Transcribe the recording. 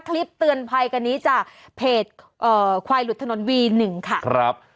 คลิปเตือนภัยกันนี้จากเพจเอ่อควายหลุดถนนวีหนึ่งค่ะครับ